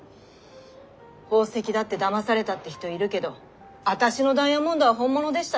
宝石だってだまされたって人いるけど私のダイヤモンドは本物でしたよ。